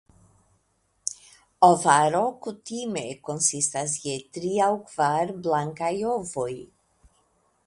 Ovaro kutime konsistas je tri aŭ kvar blankaj ovoj.